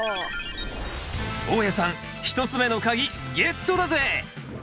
大家さん１つ目の鍵ゲットだぜ！